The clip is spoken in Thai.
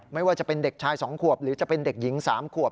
ไม่ว่าจะเป็นเด็กชาย๒ขวบหรือจะเป็นเด็กหญิง๓ขวบ